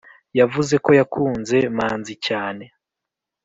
yavuze ko yakunze manzi cyane